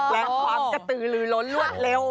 แรงความกระตือลือล้นรวดเร็ว